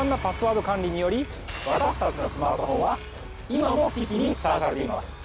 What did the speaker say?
私たちのスマートフォンは今も危機にさらされています。